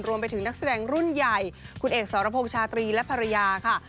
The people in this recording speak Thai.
นักแสดงรุ่นใหญ่คุณเอกสรพงษ์ชาตรีและภรรยาค่ะ